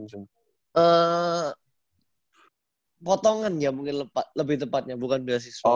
potongan ya mungkin lebih tepatnya bukan beasiswa